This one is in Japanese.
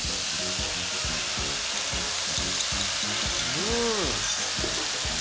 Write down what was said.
うん。